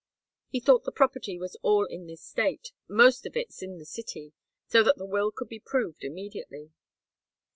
He thought the property was all in this State most of it's in the city, so that the will could be proved immediately."